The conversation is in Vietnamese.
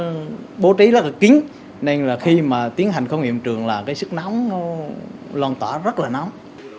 nó bố trí rất là kính nên là khi mà tiến hành không hiện trường là cái sức nóng nó loàn tỏa rất là nóng